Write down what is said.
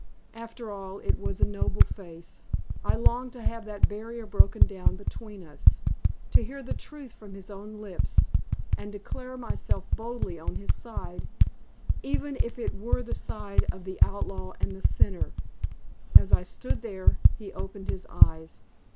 After all, it was a noble face; I longed to have that barrier broken down between us, to hear the truth from his own lips, and declare myself boldly on his side even if it were the side of the outlaw and the sinner. As I stood there, he opened his eyes.